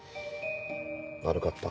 悪かった。